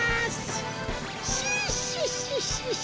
シシッシッシッ。